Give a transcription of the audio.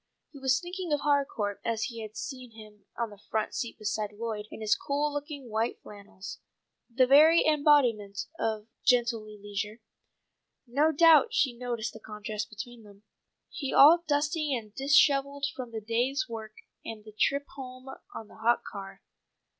He was thinking of Harcourt as he had seen him on the front seat beside Lloyd, in his cool looking white flannels, the very embodiment of gentlemanly leisure. No doubt she noticed the contrast between them, he all dusty and dishevelled from his day's work and the trip home on the hot car.